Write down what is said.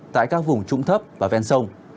tại các vùng trụng thấp và ven sông